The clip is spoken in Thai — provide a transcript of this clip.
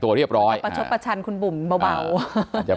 แต่ประเทศมากแสนคุณบุ๋มเปล่า